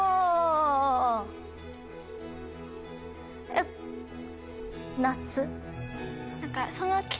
えっ「夏」。